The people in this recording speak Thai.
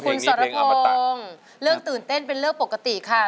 คุณสรพงศ์เรื่องตื่นเต้นเป็นเรื่องปกติค่ะ